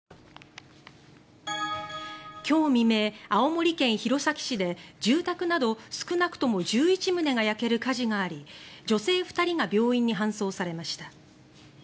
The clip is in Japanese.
今日未明、青森県弘前市で住宅など少なくとも１１棟が焼ける火事があり女性２人が病院に搬送されました。